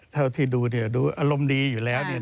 เท่าที่ดูเนี่ยดูอารมณ์ดีอยู่แล้วเนี่ย